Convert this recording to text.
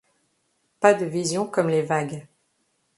Pas de vision comme les vagues.